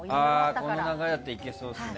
この流れだったらいけそうですね。